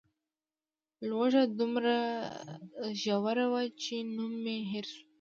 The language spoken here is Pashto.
لوږه دومره زور وه چې نوم مې هېر شو.